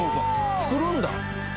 作るんだ！